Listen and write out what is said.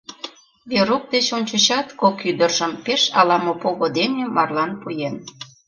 Верук деч ончычат кок ӱдыржым пеш алама пого дене марлан пуэн.